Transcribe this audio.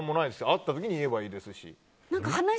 会った時に言えばいいですし。